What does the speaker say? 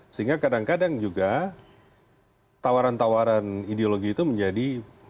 sehingga kadang kadang juga tawaran tawaran ideologi itu menjadi